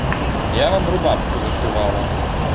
Я вам рубашку зашывала.